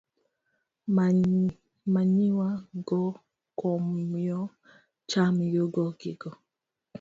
Manyiwa go komyo cham yudo gigo